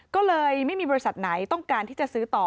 ก็เลยไม่มีบริษัทไหนต้องการที่จะซื้อต่อ